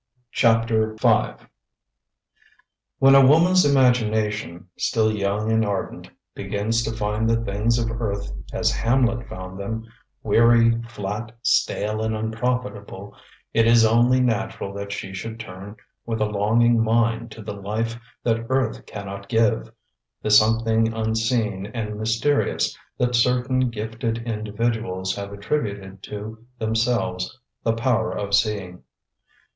CHAPTER V When a woman's imagination, still young and ardent, begins to find the things of earth as Hamlet found them, "weary, flat, stale, and unprofitable," it is only natural that she should turn with a longing mind to the life that earth cannot give, the something unseen and mysterious that certain gifted individuals have attributed to themselves the power of seeing.